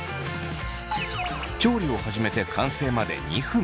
調理を始めて完成まで２分。